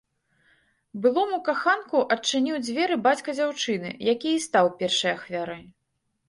Былому каханку адчыніў дзверы бацька дзяўчыны, які і стаў першай ахвярай.